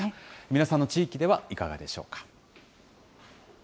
皆さんの地域ではいかがでしょうか。